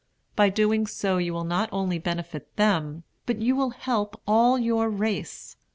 By so doing you will not only benefit them, but you will help all your race.